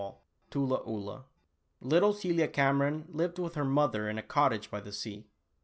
L TULA OOLAH. ITTLE Celia Cameron lived with her mother in a cottage by the sea.